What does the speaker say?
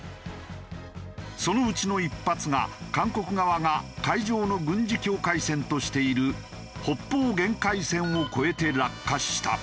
そのうちの１発が韓国側が海上の軍事境界線としている北方限界線を越えて落下した。